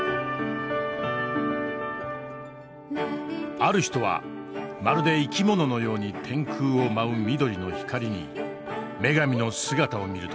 ある人はまるで生き物のように天空を舞う緑の光に女神の姿を見るという。